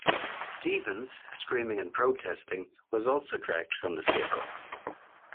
Stephens, screaming and protesting, was also dragged from the vehicle.